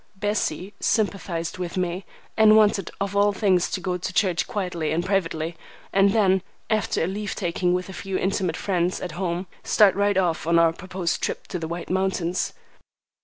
Bessie sympathized with me, and wanted of all things to go to church quietly and privately, and then, after a leave taking with a few intimate friends at home, start right off on our proposed trip to the White Mountains.